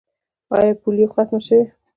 آیا پولیو ختمه شوې؟